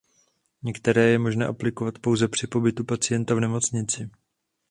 Některé je možné aplikovat pouze při pobytu pacienta v nemocnici.